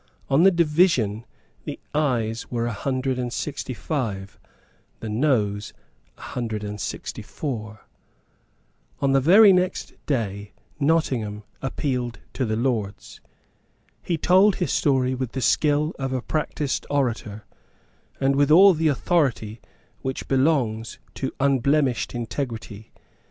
On the division the Ayes were a hundred and sixty five, the Noes a hundred and sixty four. On the very next day Nottingham appealed to the Lords. He told his story with all the skill of a practised orator, and with all the authority which belongs to unblemished integrity.